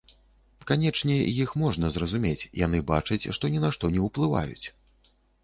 Канечне, іх можна зразумець, яны бачаць, што ні на што не ўплываюць.